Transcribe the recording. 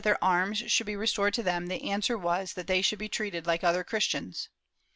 368 MOMISCOS [Book VIII their arms should be restored to them, the answer was that they should be treated like other Christians.